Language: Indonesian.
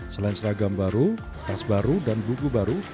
selain seragam baru tas baru dan buku baru